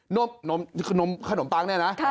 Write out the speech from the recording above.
นมนมขนมปังเนี่ยนะค่ะ